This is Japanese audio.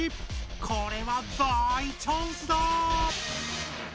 これは大チャンスだ！